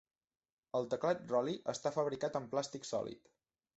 El teclat Rolly està fabricat en plàstic sòlid.